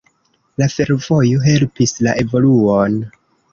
La fervojo helpis la evoluon.